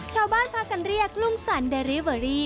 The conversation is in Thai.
ชาวบ้านพากันเรียกลุงสันเดอริเวอรี่